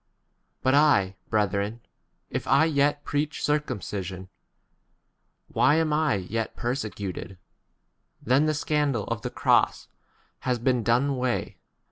' 11 But I, brethren, if I yet preach circumcision, why am I yet per secuted ? Then the scandal of 12 the cross has been done away.